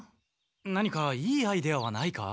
何かいいアイデアはないか？